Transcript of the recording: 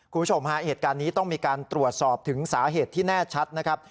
คุณผู้ชมฮะเหตุการณ์นี้ต้องมีการตรวจสอบถึงสาเหตุที่แน่ชัดนะครับ